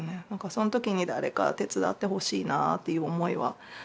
そのときに誰か手伝ってほしいなっていう思いはあったかな。